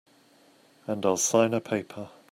And I'll sign a paper.